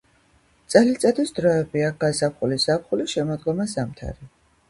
წელიწადის დროებია: გაზაფხული ზაფხული შემოდგომა ზამთარი